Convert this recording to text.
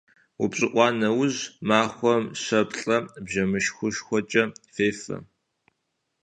УпщӀыӀуа нэужь махуэм щэ-плӀэ бжэмышхышхуэкӀэ фефэ.